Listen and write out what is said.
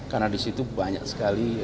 karena disitu banyak sekali